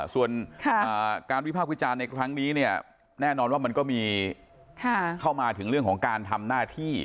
ส่วนการวิพากษ์วิจารณ์ในครั้งนี้เนี่ยแน่นอนว่ามันก็มีเข้ามาถึงเรื่องของการทำหน้าที่